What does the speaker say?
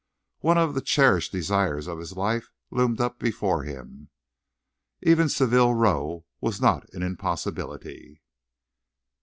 One of the cherished desires of his life loomed up before him. Even Savile Row was not an impossibility.